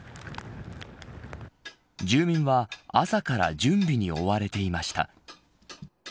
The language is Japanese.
住民は、朝から準備に追われていました。